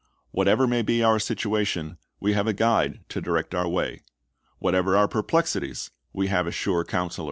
Whatever may be our situation, we have a Guide to direct our way; whate\'er our perplexities, we have a sure Counselor; •Go tn nom, ye rich men